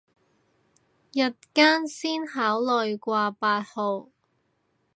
日間先考慮掛八號